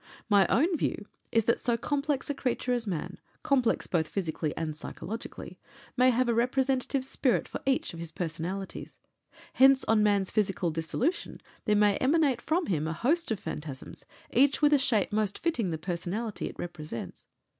My own view is that so complex a creature as man complex both physically and psychologically may have a representative spirit for each of his personalities. Hence on man's physical dissolution there may emanate from him a host of phantasms, each with a shape most fitting the personality it represents.